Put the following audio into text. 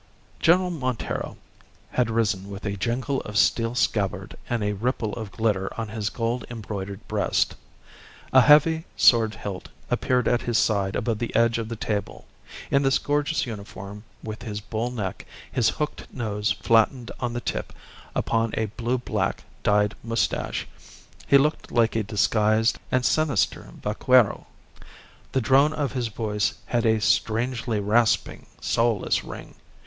General Montero had risen with a jingle of steel scabbard and a ripple of glitter on his gold embroidered breast; a heavy sword hilt appeared at his side above the edge of the table. In this gorgeous uniform, with his bull neck, his hooked nose flattened on the tip upon a blue black, dyed moustache, he looked like a disguised and sinister vaquero. The drone of his voice had a strangely rasping, soulless ring.